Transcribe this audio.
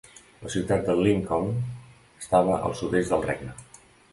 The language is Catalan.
La ciutat de Lincoln estava al sud-oest del regne.